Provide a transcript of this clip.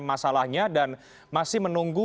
masalahnya dan masih menunggu